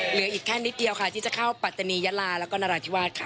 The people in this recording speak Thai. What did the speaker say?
เหลืออีกแค่นิดเดียวค่ะที่จะเข้าปัตตานียะลาแล้วก็นราธิวาสค่ะ